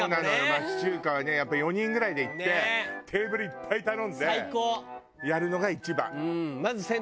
町中華はねやっぱり４人ぐらいで行ってテーブルいっぱい頼んでやるのが一番。